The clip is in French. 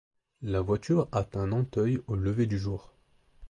La voiture atteint Nanteuil au lever du jour.